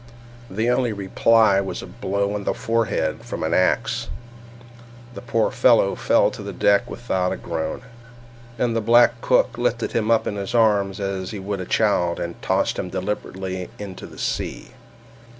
The only reply was a blow on the forehead from an axe. The poor fellow fell to the deck without a groan, and the black cook lifted him up in his arms as he would a child, and tossed him deliberately into the sea.